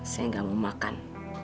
saya tidak mau makan